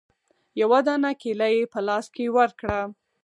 يوه دانه کېله يې په لاس کښې ورکړه.